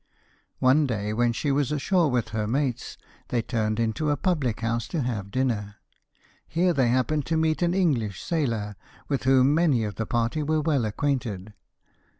One day when she was ashore with her mates, they turned into a public house to have dinner. Here they happened to meet an English sailor, with whom many of the party were well acquainted.